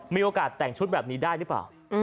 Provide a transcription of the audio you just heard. มีโอกาสแต่งชุดแบบนี้ได้หรือเปล่า